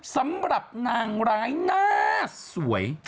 สำหรับนางร้ายหน้าสวย